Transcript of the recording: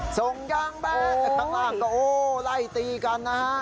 ส่งยางแบกข้างล่างก็โอ้ไล่ตีกันนะฮะ